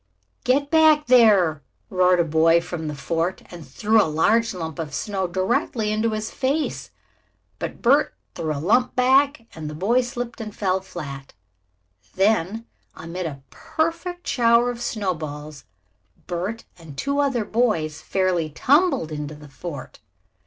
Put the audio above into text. "Get back there!" roared a boy from the fort and threw a large lump of soft snow directly into his face. But Bert threw the lump back and the boy slipped and fell flat. Then, amid a perfect shower of snowballs, Bert and two other boys fairly tumbled into the fort.